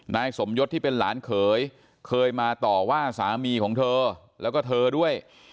นายสมยศที่เป็นหลานเขยเคยมาต่อว่าสามีของเธอแล้วก็เธอด้วย